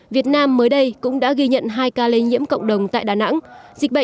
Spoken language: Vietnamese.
việt nam mới đây cũng đã ghi nhận hai ca lây nhiễm cộng đồng tại đà nẵng